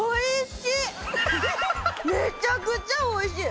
めちゃくちゃおいしい！